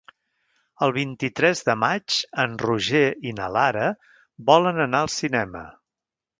El vint-i-tres de maig en Roger i na Lara volen anar al cinema.